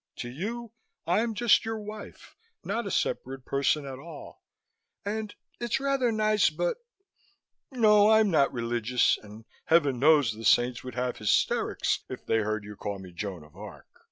"To you, I'm just your wife, not a separate person at all, and it's rather nice, but No, I'm not religious and Heaven knows the saints would have hysterics if they heard you call me Joan of Arc.